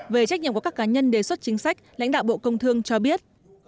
về trách nhiệm của các cá nhân đề xuất chính sách lãnh đạo bộ công thương cho biết